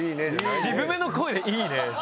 渋めの声で「いいね」。